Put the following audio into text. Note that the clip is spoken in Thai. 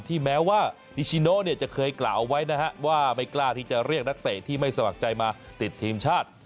แม้ว่านิชิโนจะเคยกล่าวไว้นะฮะว่าไม่กล้าที่จะเรียกนักเตะที่ไม่สมัครใจมาติดทีมชาติ